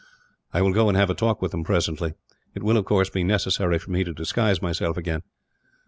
"I will go and have a talk with them, presently. It will, of course, be necessary for me to disguise myself again."